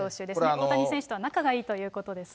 大谷選手とは仲がいいということですね。